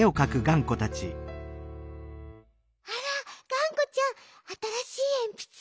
あらがんこちゃんあたらしいえんぴつ？